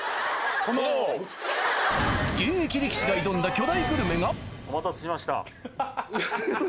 現役力士が挑んだ巨大グルメがお待たせしました。